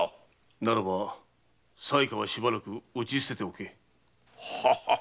ならば裁可はしばらく打ち捨てておけ。